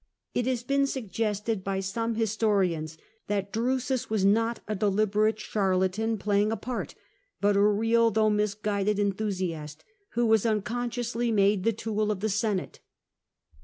It has been suggested by some historians that Drusus was not a deliberate charlatan playing a part, but a real, though misguided, enthusiast, who was unconsciously made the tool of the Senate.